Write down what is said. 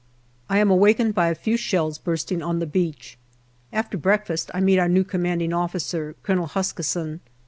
I am awakened by a few shells bursting on the beach. After breakfast I meet our new C.O., Colonel Huskisson.